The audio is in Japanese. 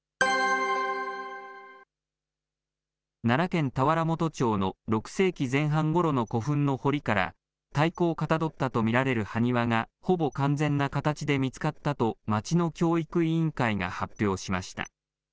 奈良県田原本町の６世紀前半ごろの古墳の堀から、太鼓をかたどったと見られる埴輪が、ほぼ完全な形で見つかったと町の教育委員会が発表しました。